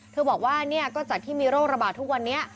เธอบอกว่าเนี่ยก็จากที่มีโรคระบาดทุกวันนี้